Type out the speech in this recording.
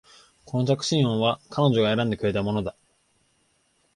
この着信音は彼女が選んでくれたものだ